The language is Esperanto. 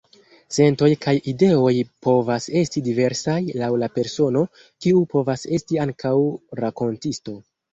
Sentoj kaj ideoj povas esti diversaj, laŭ la persono, kiu povas esti ankaŭ rakontisto.